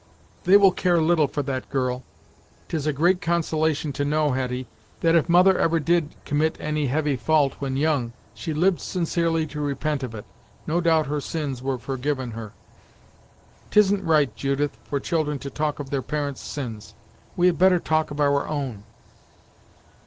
"They will care little for that, girl. 'Tis a great consolation to know, Hetty, that if mother ever did commit any heavy fault when young, she lived sincerely to repent of it; no doubt her sins were forgiven her." "Tisn't right, Judith, for children to talk of their parents' sins. We had better talk of our own."